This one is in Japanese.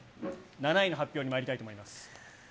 ７位の発表にまいりたいと思います。